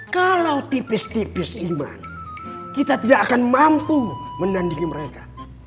kalau tipis tipis iman kita tidak akan mampu menandingi mereka